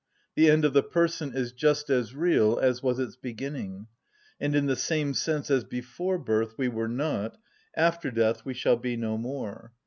The end of the person is just as real as was its beginning, and in the same sense as before birth we were not, after death we shall be no more.